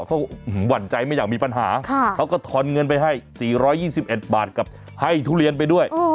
เขาหวั่นใจไม่อยากมีปัญหาเขาก็ทอนเงินไปให้๔๒๑บาทกับให้ทุเรียนไปด้วย